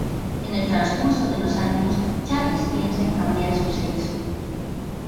En el transcurso de los años, Charles piensa en cambiar su sexo.